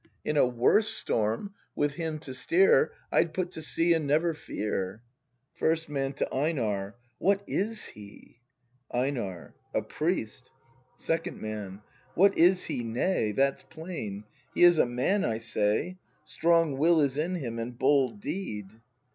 In a worse storm, with him to steer, I'd put to sea and never fear. First Man. [To EiNAR.] What is he ? EiNAR. A priest. Second Man. What is he, nay — That's plain: he is a man, I say! Strong will is in him, and bold deed.